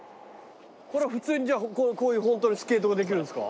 これ普通にじゃあこういうホントにスケートができるんですか。